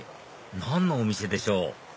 何のお店でしょう？